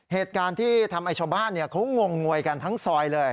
เหตุการณ์ที่ทำให้ชาวบ้านเขางงงวยกันทั้งซอยเลย